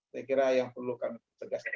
saya kira yang perlu kita tegas sekali